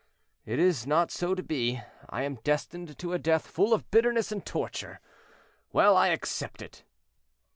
It is not so to be; I am destined to a death full of bitterness and torture. Well, I accept it."